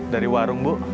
dari warung bu